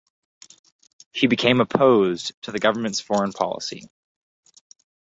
He became opposed to the government's foreign policy.